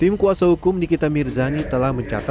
tim kuasa hukum nikita mirzani telah mencatat